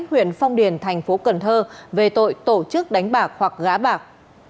huyện phong điền thành phố cần thơ về tội tổ chức đánh bạc hoặc gá bạc